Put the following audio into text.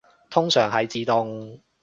通常係自動